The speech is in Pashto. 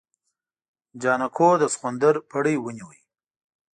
جانکو د سخوندر پړی ونيو.